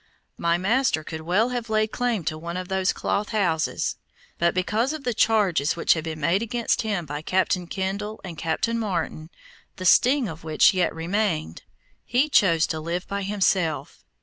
My master could well have laid claim to one of these cloth houses; but because of the charges which had been made against him by Captain Kendall and Captain Martin, the sting of which yet remained, he chose to live by himself.